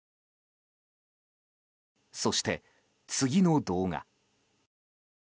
そして、次の動画。